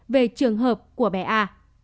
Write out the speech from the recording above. về trường hợp của bé a